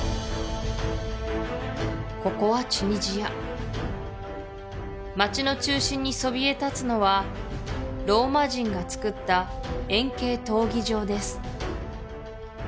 ここはチュニジア街の中心にそびえ立つのはローマ人がつくった円形闘技場です